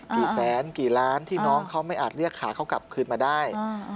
กี่แสนกี่ล้านที่น้องเขาไม่อาจเรียกขาเขากลับคืนมาได้